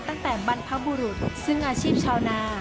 ตั้งแต่บรรพบุรุษซึ่งอาชีพชาวนา